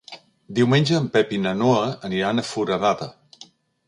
Diumenge en Pep i na Noa aniran a Foradada.